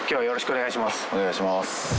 お願いします。